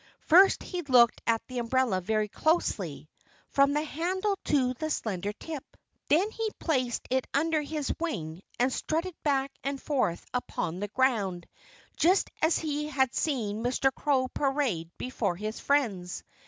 First he looked at the umbrella very closely, from the handle to the slender tip. Then he placed it under his wing and strutted back and forth upon the ground, just as he had seen Mr. Crow parade before his friends.